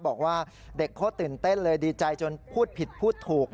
บอกว่าเด็กเขาตื่นเต้นเลยดีใจจนพูดผิดพูดถูก